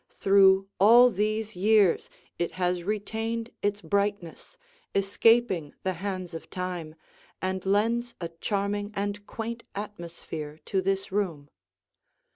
Through all these years it has retained its brightness, escaping the hands of time, and lends a charming and quaint atmosphere to this room.